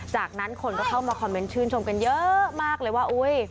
จากนั้นคนก็เข้ามาคอมเมนต์ชื่นชมกันเยอะมากเลยว่าอุ๊ย